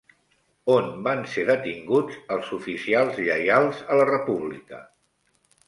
On van ser detinguts els oficials lleials a la República?